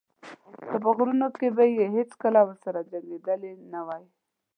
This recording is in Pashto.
خو په غرونو کې به یې هېڅکله ورسره جنګېدلی نه وای.